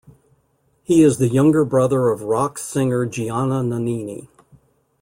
He is the younger brother of rock-singer Gianna Nannini.